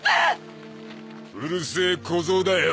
うるせえ小僧だよ